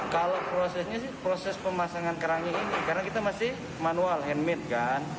kalau prosesnya sih proses pemasangan kerangnya ini karena kita masih manual handmade kan